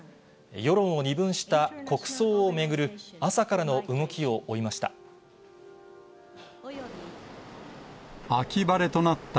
世論を二分した国葬を巡る、朝からの動きを追いました。